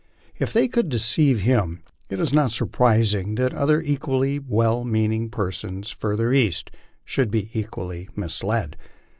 If they could deceive him, it is not surprising that other equally well meaning persons further east should be equally misled.